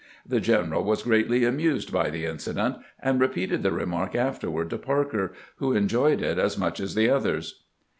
The general was greatly amused by the incident, and re peated the remark afterward to Parker, who enjoyed it as much as the others.